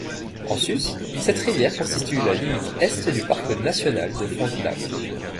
En sus, cette rivière constitue la limite Est du Parc national de Frontenac.